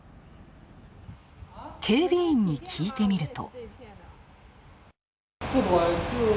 警備員に聞いてみると。